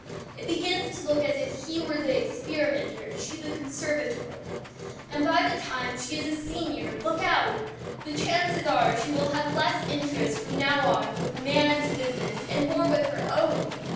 It begins to look as if he were the experimenter, she the conservator. And by the time she is a senior, look out! The chances are she will have less interest from now on with man's business and more with her own!